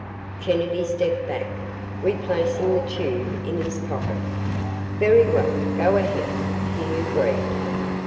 Kennedy stepped back, replacing the tube in his pocket. "Very well, go ahead!" he agreed.